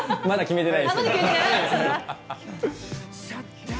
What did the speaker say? まだ決めてない？